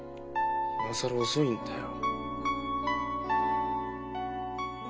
今更遅いんだよ。